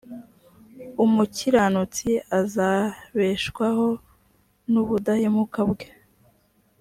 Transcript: umukiranutsi azabeshwaho n ubudahemuka bwe.